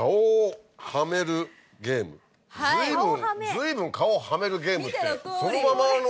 随分「顔、はめるゲーム」ってそのままの文章だね。